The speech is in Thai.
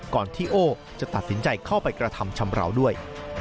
ก่อนที่โอ้จะตัดสินใจเข้าไปกระทำชำราวด้วย